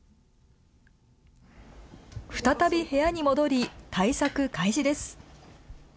再び部屋に戻り、対策開始です。